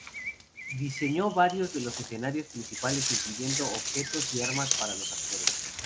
Diseñó varios de los escenarios principales incluyendo objetos y armas para los actores.